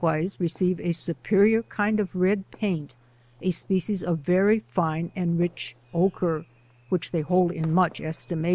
vise receive a superior kind of red paint, a species of ry fine and rich ochre, which they hold ia much ■ iination.